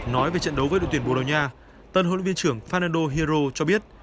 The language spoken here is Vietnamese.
nói về trận đấu với đội tuyển bồ đào nha tân huấn luyện viên trưởng fanndo hiro cho biết